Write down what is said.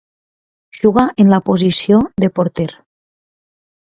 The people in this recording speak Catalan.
Juga en la posició de porter.